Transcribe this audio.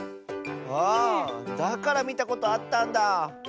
あだからみたことあったんだ。